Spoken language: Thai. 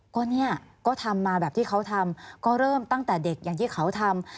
ก็เนี่ยก็ทำมาแบบที่เขาทำก็เริ่มตั้งแต่เด็กอย่างที่เขาทำ